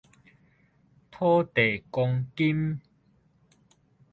土地公金